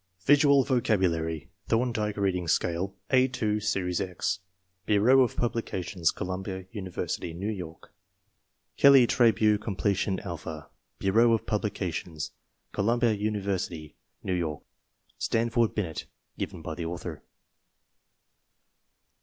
Visual Vocabulary (Thorndike Reading Scale), A 2, Series x. Bureau of Publications, Columbia University, New York. Kelley Trabue Completion Alpha. Bureau of Publications, Colum bia University, New York. Stanford Binet (given by the author).